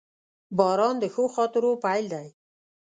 • باران د ښو خاطرو پیل دی.